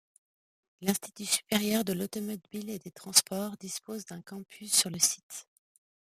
L’Institut supérieur de l'automobile et des transports dispose d'un campus sur le site.